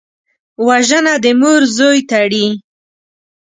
وژنه د مور زوی تړي